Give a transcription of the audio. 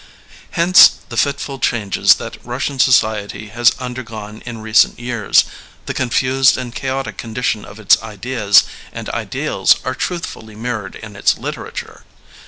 Hence, the fitful changes that Russian society has undergone in recent years, the confused and chaotic condition of its ideas and ideals are truthfully mirrored in its literature.